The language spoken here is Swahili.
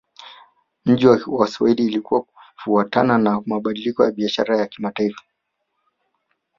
Miji ya Waswahili ilikua kufuatana na mabadiliko ya biashara ya kimataifa